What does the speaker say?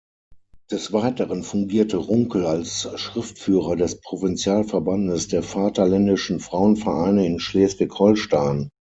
Des Weiteren fungierte Runkel als Schriftführer des Provinzialverbandes der vaterländischen Frauenvereine in Schleswig-Holstein.